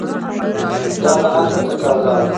دا د عقل تقاضا ده.